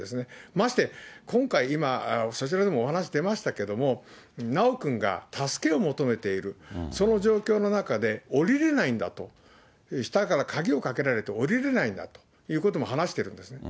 まして今回、今、そちらでもお話出ましたけれども、修くんが助けを求めている、その状況の中で下りれないんだと、下から鍵をかけられて下りれないんだということも話してるんですね。